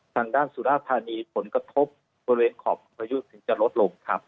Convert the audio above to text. ทางด้านสุราธานีผลกระทบบริเวณขอบพายุถึงจะลดลงครับ